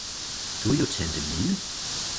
Du er jo tante Mille.